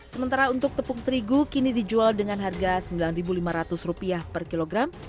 sementara untuk tepung terigu kini dijual dengan harga sembilan ribu lima ratus rupiah per kilogram